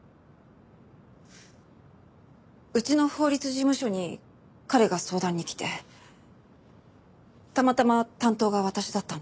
うちの法律事務所に彼が相談に来てたまたま担当が私だったんです。